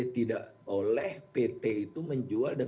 tidak oleh pt itu menjual dan